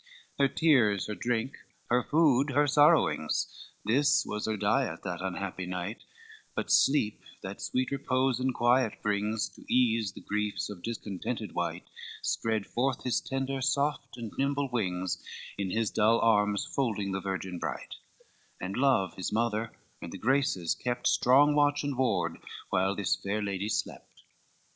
IV Her tears, her drink; her food, her sorrowings, This was her diet that unhappy night: But sleep, that sweet repose and quiet brings, To ease the griefs of discontented wight, Spread forth his tender, soft, and nimble wings, In his dull arms folding the virgin bright; And Love, his mother, and the Graces kept Strong watch and ward, while this fair lady slept.